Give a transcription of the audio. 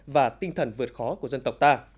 và tinh thần vượt khó của dân tộc ta